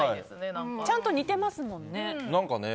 ちゃんと似てますもんね。